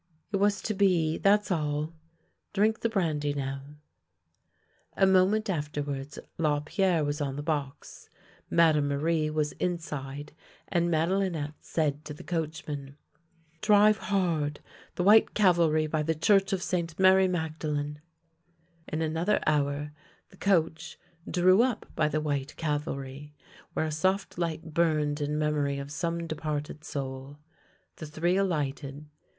It was to be — that's all ! Drink the brandy now." A moment afterwards Lapierre was on the box, Ma THE LANE THAT HAD NO TURNING 57 dame Marie was inside, and Madelinette said to the coachman: " Drive hard — the White Calvary by the Church of St. Mary Magdalene!" In another hour the coach drew up by the White Calvary, where a soft light burned in memory of some departed soul. The three alighted.